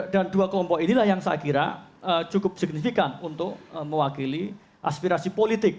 dan dua kelompok inilah yang saya kira cukup signifikan untuk mewakili aspirasi politik